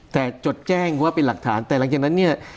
แต่จดแจ้งว่าเป็นหลักฐานแต่หลังจากนั้นเนี่ย